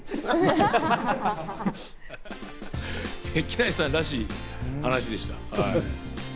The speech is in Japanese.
木梨さんらしい話でした。